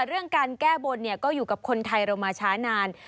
เรื่องการแก้บนก็อยู่กับคนไทยเรามาช้านาน